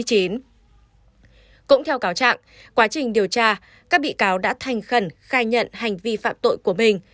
cũng theo cáo trạng quá trình điều tra các bị cáo đã thành khẩn khai nhận hành vi phạm tội của mình